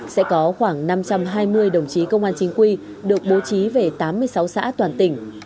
sẽ có khoảng năm trăm hai mươi đồng chí công an chính quy được bố trí về tám mươi sáu xã toàn tỉnh